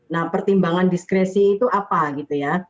nah pertimbangan diskresi itu apa gitu ya